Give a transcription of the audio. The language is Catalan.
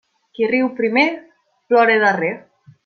Qui riu primer plora darrer.